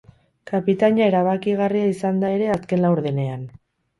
Kapitaina erabakigarria izan da ere azken laurdenean.